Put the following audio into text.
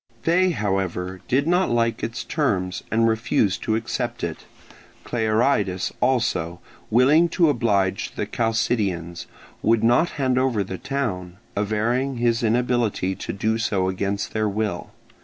They, however, did not like its terms, and refused to accept it; Clearidas also, willing to oblige the Chalcidians, would not hand over the town, averring his inability to do so against their will.